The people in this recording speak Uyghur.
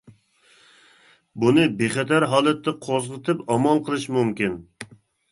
بۇنى بىخەتەر ھالەتتە قوزغىتىپ ئامال قىلىش مۇمكىن.